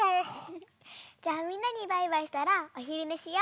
じゃあみんなにバイバイしたらおひるねしよ。